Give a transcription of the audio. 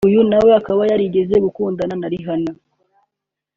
uyu nawe akaba yarigeze gukundana na Rihanna